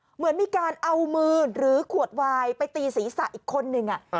เหมือนมีการเอามือหรือขวดวายไปตีศีรษะอีกคนนึง